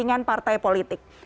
ini adalah kepentingan partai politik